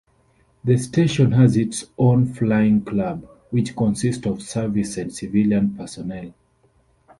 The station has its own flying club, which consists of service and civilian personnel.